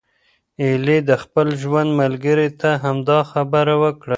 ایلي د خپل ژوند ملګری ته همدا خبره وکړه.